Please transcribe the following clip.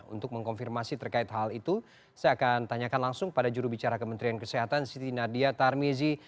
untuk mengkonfirmasi terkait hal itu saya akan tanyakan langsung pada jurubicara kementerian kesehatan siti nadia tarmizi